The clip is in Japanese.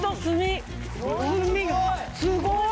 ・すごい！